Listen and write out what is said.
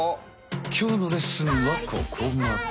きょうのレッスンはここまで。